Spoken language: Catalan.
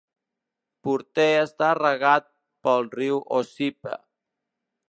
Porter està regat pel riu Ossipee.